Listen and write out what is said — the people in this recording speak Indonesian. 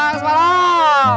tidak ada telepon